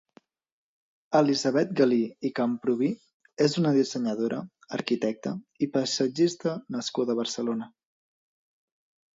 Elisabeth Galí i Camprubí és una dissenyadora, arquitecta i paisatgista nascuda a Barcelona.